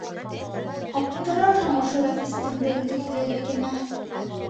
Аптырарһың ошо Рәфистең белдеклелегенә.